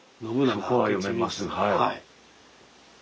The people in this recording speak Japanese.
はい。